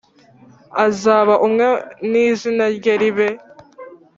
Azaba umwe nizina rye ribe